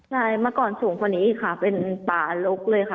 ใช่มาก่อนสูงพอนี้ค่ะเป็นป่าลุกเลยค่ะ